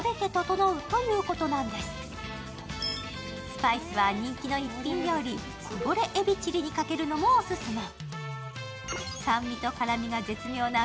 スパイスは人気の一品料理、こぼれ海老チリにかけるのもオススメ。